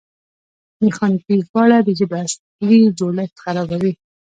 میخانیکي ژباړه د ژبې اصلي جوړښت خرابوي.